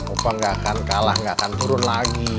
opa gak akan kalah gak akan turun lagi